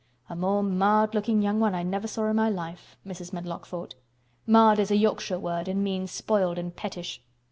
"A more marred looking young one I never saw in my life," Mrs. Medlock thought. (Marred is a Yorkshire word and means spoiled and pettish.)